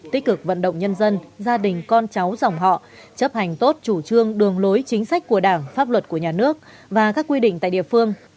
tích cực vận động nhân dân gia đình con cháu dòng họ chấp hành tốt chủ trương đường lối chính sách của đảng pháp luật của nhà nước và các quy định tại địa phương